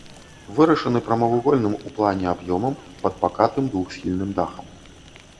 Вырашаны прамавугольным у плане аб'ёмам пад пакатым двухсхільным дахам.